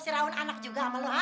eh itu yang battle